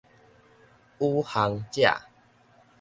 宇航者